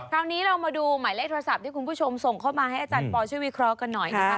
คราวนี้เรามาดูหมายเลขโทรศัพท์ที่คุณผู้ชมส่งเข้ามาให้อาจารย์ปอลช่วยวิเคราะห์กันหน่อยนะคะ